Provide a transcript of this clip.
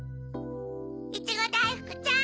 いちごだいふくちゃん。